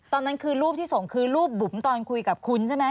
ตอนนั้นคือรูปที่ส่งคือรูปบุ๋มตอนคุยกับคุณใช่ไหม